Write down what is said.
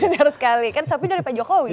benar sekali kan sapi dari pak jokowi